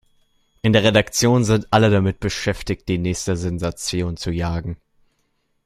In der Redaktion sind alle damit beschäftigt, die nächste Sensation zu jagen.